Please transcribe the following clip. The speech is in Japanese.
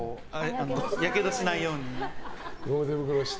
やけどしないように。